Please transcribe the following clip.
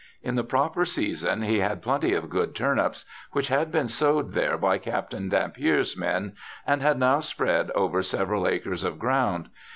In the proper season he had plenty of good turnips, which had been sowed there by Captain Dampier's men, and had now spread over several acres of ground.